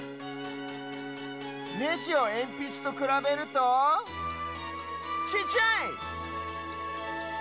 ネジをえんぴつとくらべるとちっちゃい！